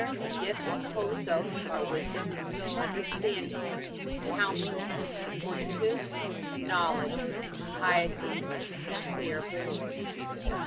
The gifts of the Holy Ghost are Wisdom, Understanding, Counsel, Fortitude, Knowledge, Piety and Fear of the Lord.